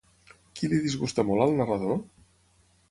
Qui li disgusta molt al narrador?